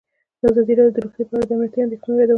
ازادي راډیو د روغتیا په اړه د امنیتي اندېښنو یادونه کړې.